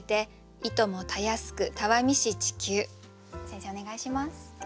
先生お願いします。